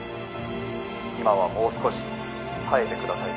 今は、もう少し耐えてください。